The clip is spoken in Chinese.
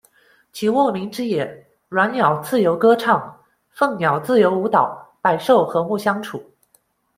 其沃民之野，鸾鸟自由歌唱、凤鸟自由舞蹈、百兽和睦相处。